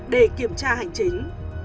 để kiểm tra hành chính